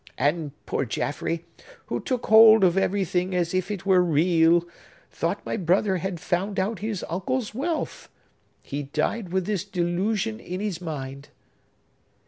And poor Jaffrey, who took hold of everything as if it were real, thought my brother had found out his uncle's wealth. He died with this delusion in his mind!"